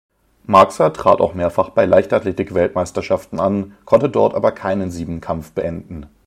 Marxer trat auch mehrfach bei Leichtathletik-Weltmeisterschaften an, konnte dort aber keinen Siebenkampf beenden.